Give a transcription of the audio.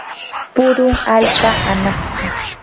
purun allpa anaqmi.